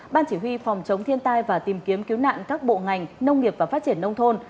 ban chỉ huy phòng chống thiên tai và tìm kiếm cứu nạn các bộ ngành nông nghiệp và phát triển nông thôn